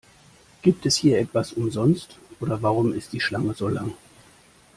Gibt es hier etwas umsonst, oder warum ist die Schlange so lang?